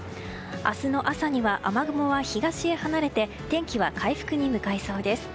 明日の朝には雨雲は東へ離れて天気は回復に向かいそうです。